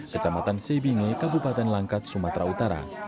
kecamatan sebinge kabupaten langkat sumatera utara